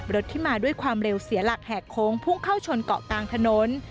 รถที่มาด้วยความเร็วเสียหลักแหกโค้งพุ่งเข้าชนเกาะกลางถนน